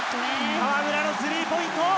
河村のスリーポイント！